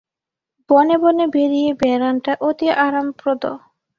বনে বনে বেরিয়ে বেড়ানটা অতি আরামপ্রদ।